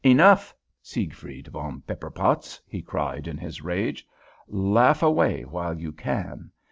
"'Enough, Siegfried von Pepperpotz!' he cried, in his rage. 'Laugh away while you can.